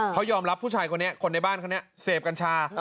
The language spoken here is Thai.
เขายอมรับผู้ชายคนนี้คนในบ้านคนนี้เสพกัญชา